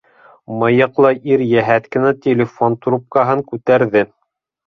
- Мыйыҡлы ир йәһәт кенә телефон трубкаһын күтәрҙе.